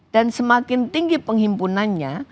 dan semakin tinggi penghimpunannya